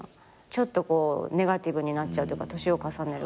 ちょっとネガティブになっちゃうというか年を重ねることが。